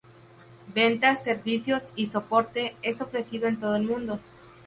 Ventas, servicios y soporte es ofrecido en todo el mundo.